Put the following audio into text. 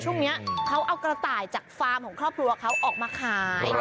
ช่วงนี้เขาเอากระต่ายจากฟาร์มของครอบครัวเขาออกมาขาย